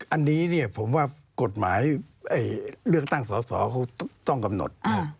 อันนี้เนี่ยผมว่ากฎหมายเลือกตั้งสอสอเขาต้องกำหนด